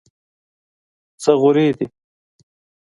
څه غورې دي.